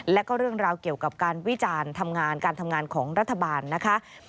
แล้วก็เรื่องราวเกี่ยวกับการวิจารณ์ทำงานการทำงานของรัฐบาลนะคะ